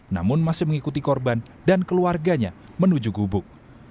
namun masih mengikuti korban dan keluarganya menuju gubuk